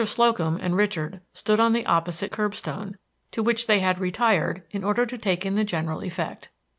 Slocum and Richard stood on the opposite curbstone, to which they had retired in order to take in the general effect.